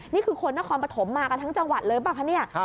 นี่คือคนหน้าคอมปฐมมากันทั้งจังหวัดเลยเปล่าคะ